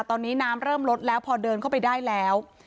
ตอนนี้น้ำเริ่มลดแล้วพอเดินเข้าไปได้แล้ว